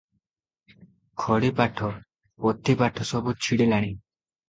ଖଡ଼ିପାଠ, ପୋଥିପାଠ ସବୁ ଛିଡ଼ିଲାଣି ।